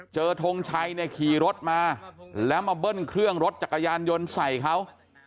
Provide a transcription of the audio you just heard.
ทงชัยเนี่ยขี่รถมาแล้วมาเบิ้ลเครื่องรถจักรยานยนต์ใส่เขา